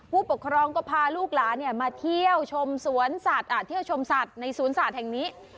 ผู้ปกครองก็พาลูกหลานมาเที่ยวชมสวนสัตว์เที่ยวชมสัตว์ในสวนสัตว์แห่งนี้